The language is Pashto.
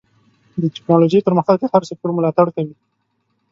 د ټکنالوجۍ پرمختګ د هر سکتور ملاتړ کوي.